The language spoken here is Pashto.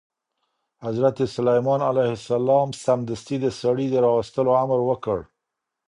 حضرت سلیمان علیه السلام سمدستي د سړي د راوستلو امر وکړ.